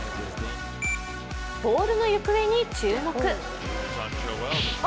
ボールの行方に注目。